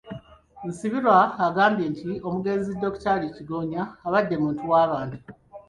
Nsibirwa agambye nti omugenzi Dokitaali Kigonya abadde muntu w'abantu.